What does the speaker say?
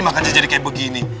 makanya jadi kayak begini